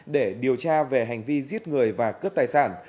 để điều tra về hành vi giết người và cướp tài sản